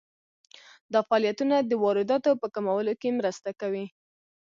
دا فعالیتونه د وارداتو په کمولو کې مرسته کوي.